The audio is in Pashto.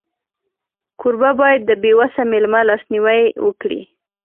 کوربه باید د بېوسه مېلمه لاسنیوی وکړي.